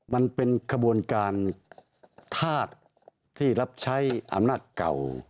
มันเป็นขบวนการธาตุที่รับใช้อำนาจเก่า